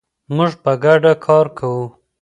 موږ په ګډه کار کوو.